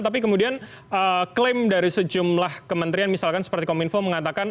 tapi kemudian klaim dari sejumlah kementerian misalkan seperti kominfo mengatakan